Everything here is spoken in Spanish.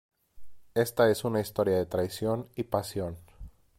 Esta es una historia de traición y pasión.